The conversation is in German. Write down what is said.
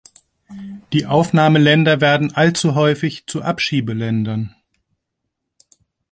Die Aufnahmeländer werden allzu häufig zu Abschiebeländern.